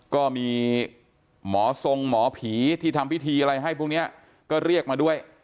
ก็มีหมอทรงหมอผีที่ทำพิธีอะไรให้พวกนี้ก็เรียกมาด้วย